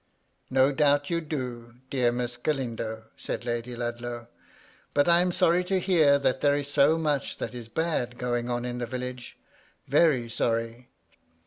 ''" No doubt you do, dear Miss Galindo,'* said Lady Ludlow. " But I am sorry to hear that there is so much that is bad going on in the village, — very sorry."